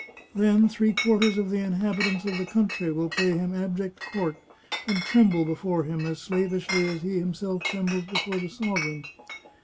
Then three quarters of the inhabitants of the country will pay him abject court, and tremble before him as slavishly as he himself trembles before the sovereign.